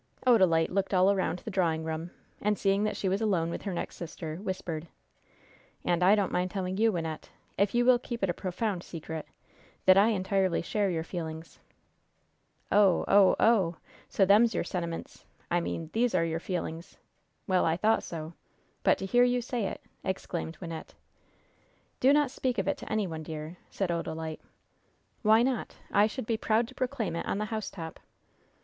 Odalite looked all around the drawing room, and, seeing that she was alone with her next sister, whispered: "And I don't mind telling you, Wynnette, if you will keep it a profound secret, that I entirely share your feelings." "Oh oh oh! So them's your sentiments I mean these are your feelings? Well, I thought so. But to hear you say it!" exclaimed Wynnette. "Do not speak of it to any one, dear," said Odalite. "Why not? I should be proud to proclaim it on the housetop."